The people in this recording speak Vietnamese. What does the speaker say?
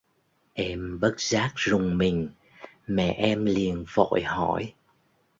Em bất giác rùng mình mẹ em liền vội hỏi